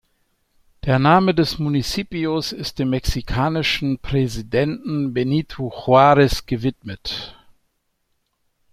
Der Name des Municipios ist dem mexikanischen Präsidenten Benito Juárez gewidmet.